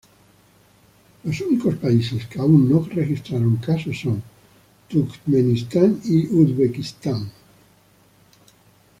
Los únicos países que aún no registraron casos son: Turkmenistán y Uzbekistán.